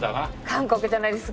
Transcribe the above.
韓国じゃないです。